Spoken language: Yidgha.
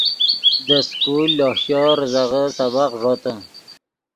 دے سکول لوہ شور ریزغے سبق ݱوتے